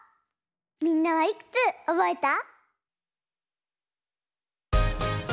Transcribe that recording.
みんなはいくつおぼえた？